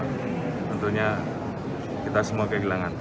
tentunya kita semua kehilangan